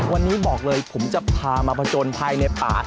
วันนี้บอกเลยผมจะพามาผจญภายในป่า